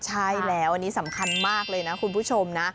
ใช่แล้วอันนี้สำคัญมากเลยนะคุณผู้ชมนะ